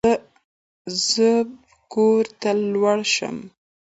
زه بو کور ته لوړ شم.